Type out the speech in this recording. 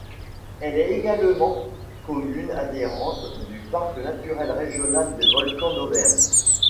Elle est également commune adhérente du parc naturel régional des volcans d'Auvergne.